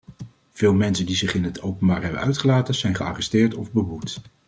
Veel mensen die zich in het openbaar hebben uitgelaten zijn gearresteerd of beboet.